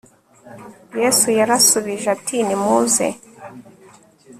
yesu yarasubije ati numuze